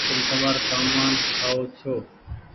تم تمآر ڪمآن کآئو ڇو